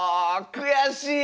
悔しい！